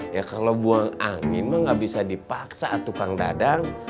ya kalau buang angin mah gak bisa dipaksa atuh kang dadang